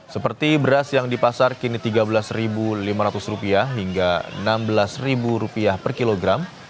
seperti beras yang dipasar kini rp tiga belas lima ratus hingga rp enam belas per kilogram